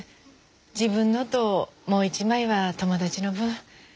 自分のともう１枚は友達の分。